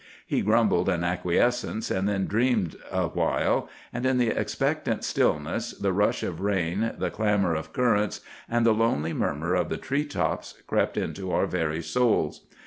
He grumbled an acquiescence, and then dreamed a while; and in the expectant stillness the rush of rain, the clamor of currents, and the lonely murmur of the tree tops, crept into our very souls.